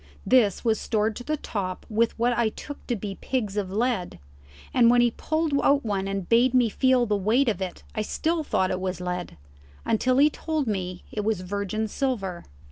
This was stored to the top with what I took to be pigs of lead, and when he pulled out one and bade me feel the weight of it I still thought it was lead, until he told me it was virgin silver.